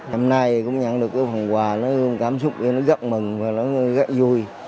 hôm nay cũng nhận được phần quà cảm xúc rất mừng và rất vui